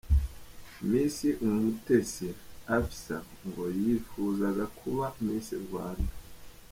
Miss Umutesi Afsa ngo yifuzaga kuba Miss Rwanda.